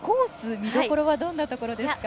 見どころはどんなところですか？